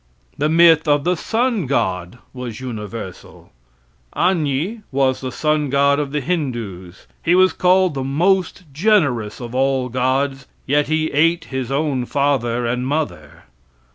The myth of the sun god was universal. Agni was the sun god of the Hindoos. He was called the most generous of all gods, yet he ate his own father and mother.